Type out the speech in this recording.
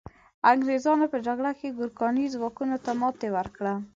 انګریزانو په جګړه کې ګورکاني ځواکونو ته ماتي ورکړه.